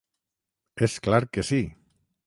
És clar que sí!